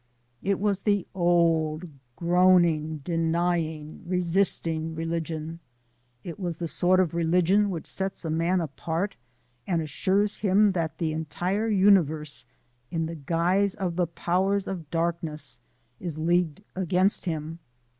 It was the old, groaning, denying, resisting religion. It was the sort of religion which sets a man apart and assures him that the entire universe in the guise of the Powers of Darkness is leagued against him.